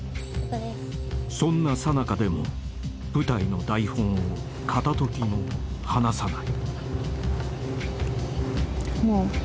［そんなさなかでも舞台の台本を片時も離さない］